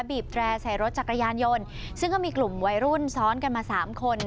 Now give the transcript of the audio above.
บีบแตร่ใส่รถจักรยานยนต์ซึ่งก็มีกลุ่มวัยรุ่นซ้อนกันมาสามคน